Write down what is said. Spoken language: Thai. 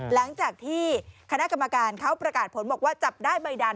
หลังจากที่คณะกรรมการเขาประกาศผลบอกว่าจับได้ใบดัน